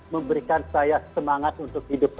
memberikan saya semangat untuk hidup